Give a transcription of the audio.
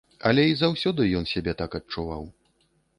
Але і заўсёды ён сябе так адчуваў.